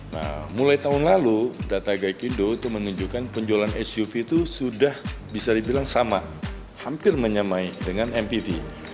nah mulai tahun lalu data gaikindo itu menunjukkan penjualan suv itu sudah bisa dibilang sama hampir menyamai dengan mpv